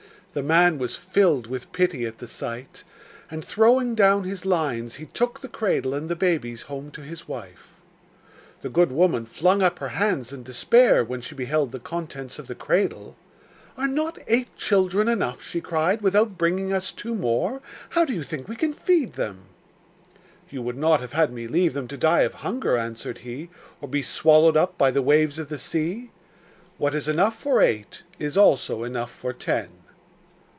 The man was filled with pity at the sight, and throwing down his lines he took the cradle and the babies home to his wife. The good woman flung up her hands in despair when she beheld the contents of the cradle. 'Are not eight children enough,' she cried, 'without bringing us two more? How do you think we can feed them?' 'You would not have had me leave them to die of hunger,' answered he, 'or be swallowed up by the waves of the sea? What is enough for eight is also enough for ten.